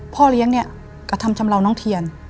พ่อเลี้ยงเนี่ยกระทำชำเลาน้องเทียน